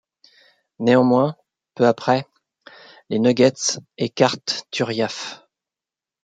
Néanmoins, peu après, les Nuggets écartent Turiaf.